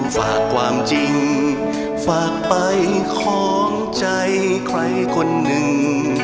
ฝากความจริงฝากไปของใจใครคนหนึ่ง